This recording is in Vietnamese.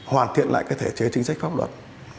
hoàn thiện lại thể chế chính sách pháp luật